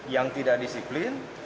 yang tidak disiplin